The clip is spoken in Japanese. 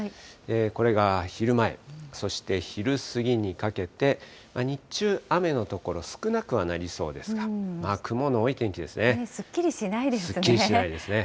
これが昼前、そして昼過ぎにかけて、日中、雨の所少なくはなりそうですが、すっきりしないですね。